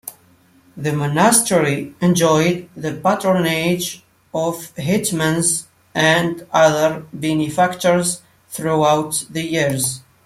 The monastery enjoyed the patronage of hetmans and other benefactors throughout the years.